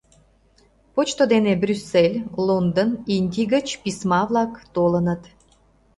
Почто дене Брюссель, Лондон, Индий гыч письма-влак толыныт.